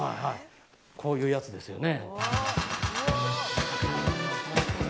こういうやつですよね。